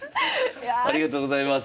ありがとうございます。